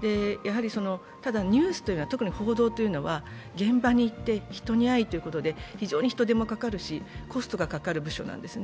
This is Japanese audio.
ただ、ニュースというのは、特に報道というのは現場に行って、人に会いということで、非常に人手がかかるし、コストがかかる部署なんですね。